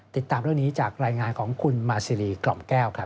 ติดตามเรื่องนี้จากรายงานของคุณมาซีรีกล่อมแก้วครับ